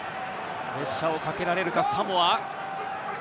プレッシャーをかけられるか、サモア。